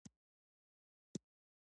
مقابل لوري ناره کړه.